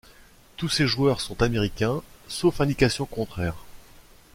Tous ces joueurs sont Américains sauf indications contraires.